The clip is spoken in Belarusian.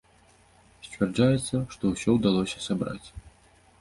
Сцвярджаецца, што ўсё ўдалося сабраць.